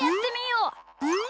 うん。